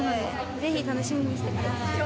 ぜひ楽しみにしてください。